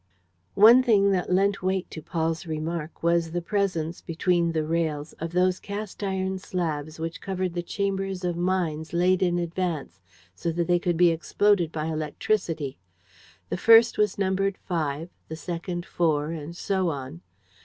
One thing that lent weight to Paul's remark was the presence, between the rails, of those cast iron slabs which covered the chambers of mines laid in advance, so that they could be exploded by electricity. The first was numbered five, the second four; and so on.